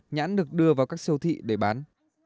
nhãn được đưa vào các siêu thị để bán